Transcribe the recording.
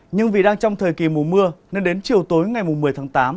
nhưng vì đang trong thời kỳ mùa mưa nên đến chiều tối ngày một mươi tháng tám